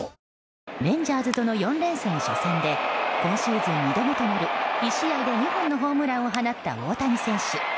レンジャーズとの４連戦初戦で今シーズン２度目となる１試合で２本のホームランを放った大谷選手。